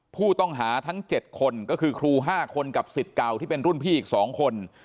ผู้ต้องหาทั้ง๗คนก็คือครู๕คนกับสิทธิ์เก่าที่เป็นรุ่นพี่อีก๒คน